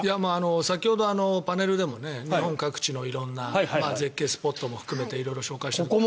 先ほど、パネルでも日本各地の色んな絶景スポットも含めて色々、紹介したんですが。